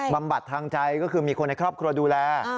บำบัดทางใจก็คือมีคนในครอบครัวดูแล